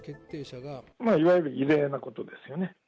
いわゆる異例なことですよね。